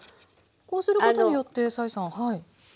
こうすることによって斉さん。